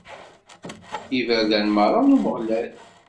Iberdan merra n Umeɣlal.